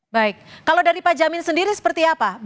baik kalau dari pak jamin sendiri seperti apa